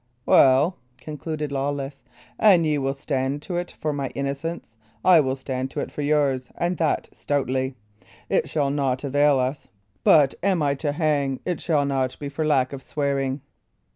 "Well," concluded Lawless, "an ye will stand to it for my innocence, I will stand to it for yours, and that stoutly. It shall naught avail us; but an I be to hang, it shall not be for lack of swearing."